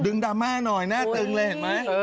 ดึงดราม่าหน่อยหน้าตึงแหละเห็นไหมเออ